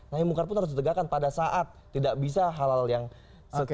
nahi mungkar pun harus ditegakkan pada saat tidak bisa halal yang sehat